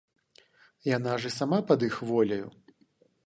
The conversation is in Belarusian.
Яна ж і сама пад іх воляю.